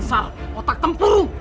dasar potak tempurung